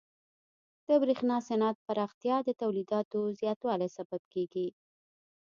د برېښنا صنعت پراختیا د تولیداتو زیاتوالي سبب کیږي.